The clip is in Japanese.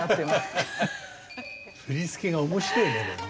振付が面白いねこれね。